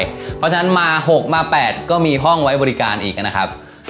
เพราะฉะนั้นมา๖มา๘ก็มีห้องไว้บริการอีกนะครับ